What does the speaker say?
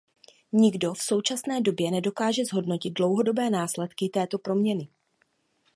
Nikdo v současné době nedokáže zhodnotit dlouhodobé následky této proměny.